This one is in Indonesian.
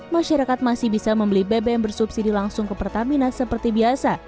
masyarakat masih bisa membeli bbm bersubsidi langsung ke pertamina seperti biasa